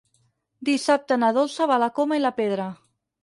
Dissabte na Dolça va a la Coma i la Pedra.